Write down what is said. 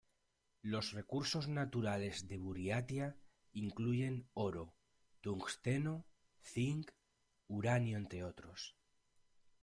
Los recursos naturales de Buriatia incluyen oro, tungsteno, zinc, uranio entre otros.